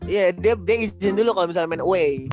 ya dia izin dulu kalau misalnya main away